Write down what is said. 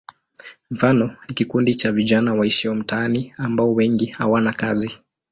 Mfano ni kikundi cha vijana waishio mitaani ambao wengi hawana kazi.